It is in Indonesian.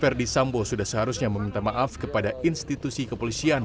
verdi sambo sudah seharusnya meminta maaf kepada institusi kepolisian